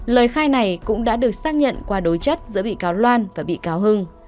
lời khai này cũng đã được xác nhận qua đối chất giữa bị cáo loan và bị cáo hưng